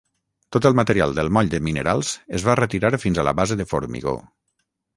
Tot el material del moll de minerals es va retirar fins a la base de formigó.